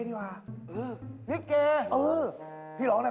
พี่อ่ะติดหนักมาก